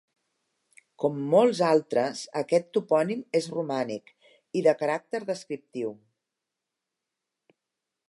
Com molts altres, aquest topònim és romànic i de caràcter descriptiu.